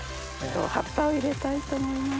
葉っぱを入れたいと思います。